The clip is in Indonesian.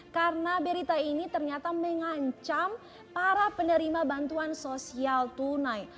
karena berita ini ternyata mengancam para penerima bantuan sosial tunai